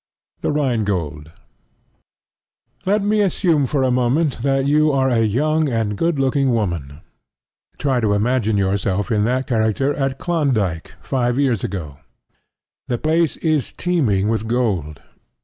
THE RHINE GOLD Let me assume for a moment that you are a young and good looking woman. Try to imagine yourself in that character at Klondyke five years ago. The place is teeming with gold.